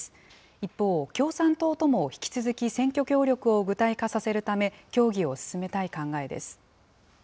一方、共産党とも引き続き選挙協力を具体化させるため、協議を進めたい考えです。